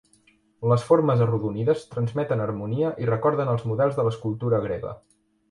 Les formes arrodonides transmeten harmonia i recorden els models de l'escultura grega.